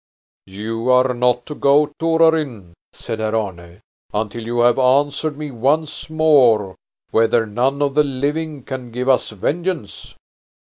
"You are not to go, Torarin," said Herr Arne, "until you have answered me once more whether none of the living can give us vengeance."